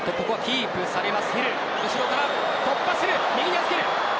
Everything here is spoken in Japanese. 後ろから突破する。